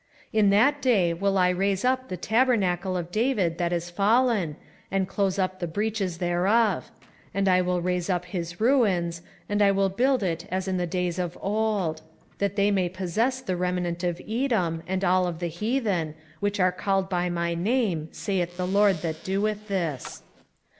9:11 In that day will I raise up the tabernacle of David that is fallen, and close up the breaches thereof; and I will raise up his ruins, and I will build it as in the days of old: 9:12 That they may possess the remnant of Edom, and of all the heathen, which are called by my name, saith the LORD that doeth this.